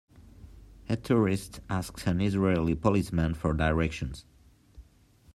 A tourist asks an Israeli policeman for directions.